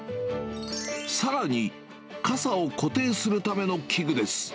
さらに、傘を固定するための器具です。